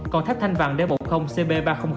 còn thép thanh vàng d một mươi cb ba trăm linh